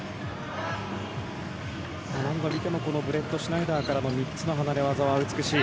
何度見てもブレットシュナイダーからの３つの離れ技は美しい。